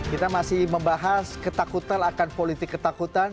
kita masih membahas ketakutan akan politik ketakutan